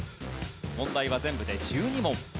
問題は全部で１２問。